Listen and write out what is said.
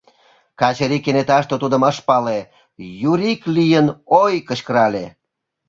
Качырий кенеташте тудым ыш пале, юрик лийын «ой!» кычкырале.